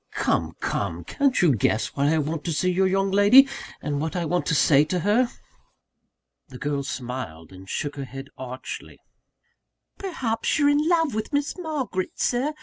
"Come! come! Can't you guess why I want to see your young lady, and what I want to say to her?" The girl smiled, and shook her head archly. "Perhaps you're in love with Miss Margaret, Sir!